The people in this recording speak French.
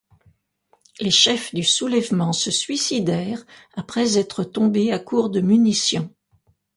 Les chefs du soulèvement se suicidèrent après être tombés à court de munition.